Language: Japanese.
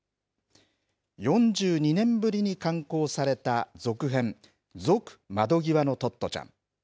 ４２年ぶりに刊行された続編、続窓ぎわのトットちゃん。